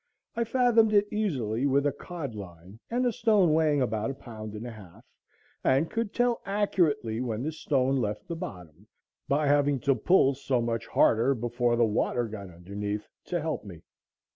I fathomed it easily with a cod line and a stone weighing about a pound and a half, and could tell accurately when the stone left the bottom, by having to pull so much harder before the water got underneath to help me.